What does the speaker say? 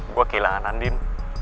gua kehilangan andin